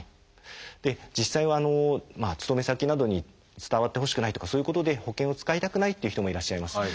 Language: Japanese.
実際は勤め先などに伝わってほしくないとかそういうことで保険を使いたくないっていう人もいらっしゃいます。